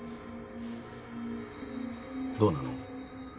どうなの？